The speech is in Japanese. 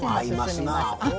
合いますな。